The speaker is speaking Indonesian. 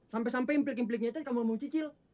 sampai sampai implik impliknya tadi kamu mau cicil